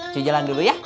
cuy jalan dulu ya